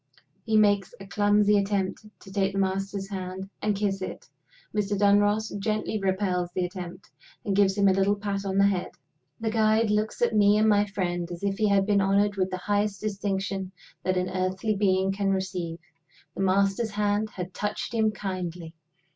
He makes a clumsy attempt to take the Master's hand and kiss it. Mr. Dunross gently repels the attempt, and gives him a little pat on the head. The guide looks at me and my friend as if he had been honored with the highest distinction that an earthly being can receive. The Master's hand had touched him kindly!